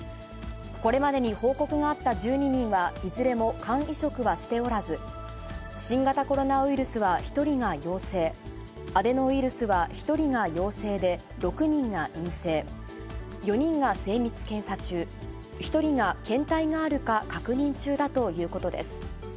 これまでに報告があった１２人は、いずれも肝移植はしておらず、新型コロナウイルスは１人が陽性、アデノウイルスは１人が陽性で６人が陰性、４人が精密検査中、１人が検体があるか確認中だということです。